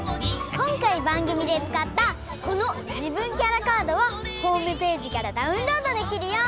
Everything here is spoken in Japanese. こんかいばんぐみでつかったこの「じぶんキャラカード」はホームページからダウンロードできるよ。